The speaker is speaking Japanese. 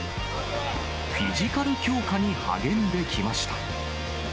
フィジカル強化に励んできました。